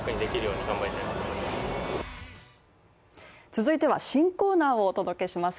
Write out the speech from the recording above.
続いては新コーナーをお届けします。